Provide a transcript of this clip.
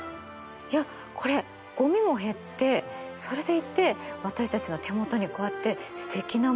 いやこれごみも減ってそれでいて私たちの手元にこうやってすてきなものが届く。